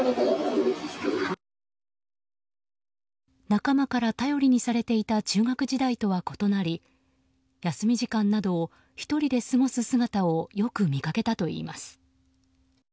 仲間から頼りにされていた中学時代とは異なり休み時間などを１人で過ごす姿をよく見かけたといいます。